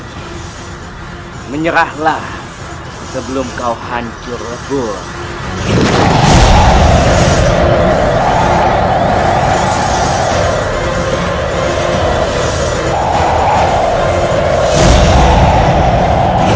semoga allah selalu melindungi kita